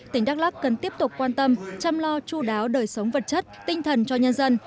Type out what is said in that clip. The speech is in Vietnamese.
tỉnh đắk lắc cần tiếp tục quan tâm chăm lo chú đáo đời sống vật chất tinh thần cho nhân dân